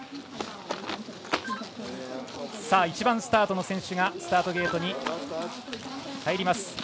１番スタートの選手がスタートゲートに入ります。